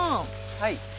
はい。